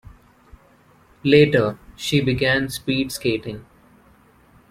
Later, she began speed skating.